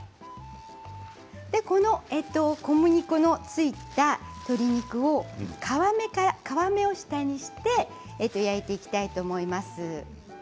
この小麦粉のついた鶏肉を皮目を下にして焼いていきたいと思います。